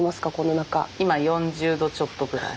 今４０度ちょっとぐらい。